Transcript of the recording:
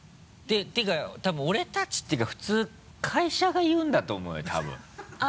ていうかたぶん俺たちっていうか普通会社が言うんだと思うよたぶん。